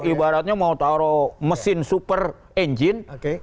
ibaratnya mau taruh mesin super engine